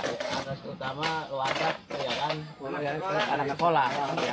akses utama warga kelihatan anak sekolah